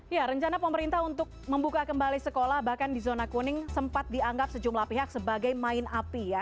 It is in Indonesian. ya rencana pemerintah untuk membuka kembali sekolah bahkan di zona kuning sempat dianggap sejumlah pihak sebagai main api ya